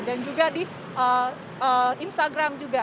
dan juga di instagram juga